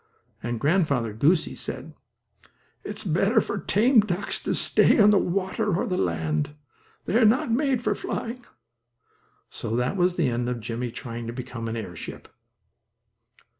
And Grandfather Goosey said: "It is better for tame ducks to stay on the water, or on land. They were not made for flying." So that was the end of Jimmie trying to become an air ship.